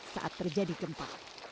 saat terjadi gempa